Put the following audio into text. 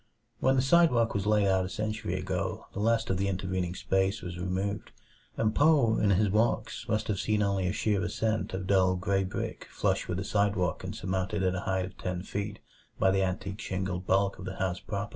When the sidewalk was laid out a century ago the last of the intervening space was removed; and Poe in his walks must have seen only a sheer ascent of dull gray brick flush with the sidewalk and surmounted at a height of ten feet by the antique shingled bulk of the house proper.